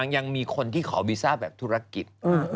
ยังมีคนที่ขอวีซ่าแบบธุรกิจ